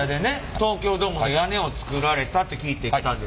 東京ドームの屋根を作られたって聞いて来たんですけど。